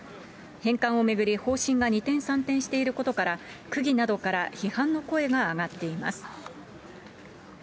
返還を巡り、方針が二転三転していることから、区議などから批判の声が上がっています。